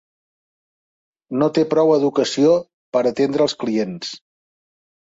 No té prou educació per a atendre els clients.